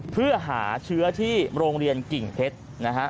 เพื่อหาเชื้อที่โรงเรียนกิ่งเพชรนะฮะ